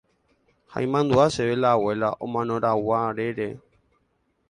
ha imandu'a chéve la abuela omanorãguarére